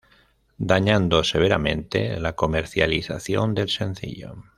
Dañando severamente la comercialización del sencillo.